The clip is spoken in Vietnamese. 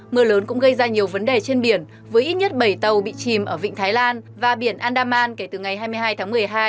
mưa lớn cũng gây ra nhiều vấn đề trên biển với ít nhất bảy tàu bị chìm ở vịnh thái lan và biển andaman kể từ ngày hai mươi hai tháng một mươi hai